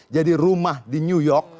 jadi rumah di new york